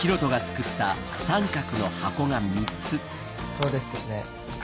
そうですよね。